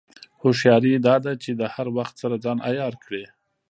هوښیاري دا ده چې د هر وخت سره ځان عیار کړې.